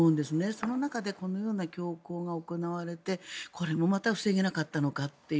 その中でこのような凶行が行われてこれもまた防げなかったのかという。